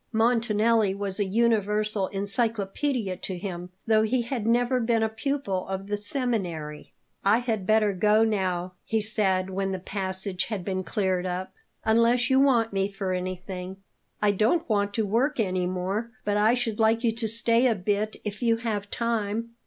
Montanelli was a universal encyclopaedia to him, though he had never been a pupil of the seminary. "I had better go now," he said when the passage had been cleared up; "unless you want me for anything." "I don't want to work any more, but I should like you to stay a bit if you have time."